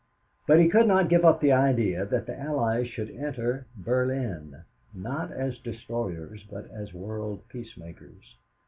But he could not give up the idea that the Allies should enter Berlin not as destroyers but as world peacemakers.